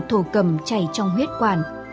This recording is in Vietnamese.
thổ cầm chảy trong huyết quản